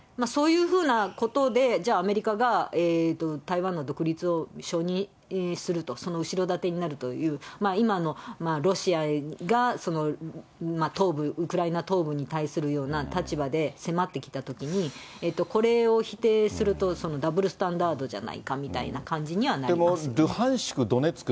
そういうふうなことで、じゃあ、アメリカが台湾の独立を承認すると、その後ろ盾になるという、今のロシアが東部、ウクライナ東部に対するような立場で迫ってきたときに、これを否定すると、ダブルスタンダードじゃないかみたいな感じにはなりますね。